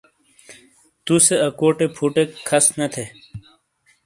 توس اکوٹے فٹیک کھس نے تھے۔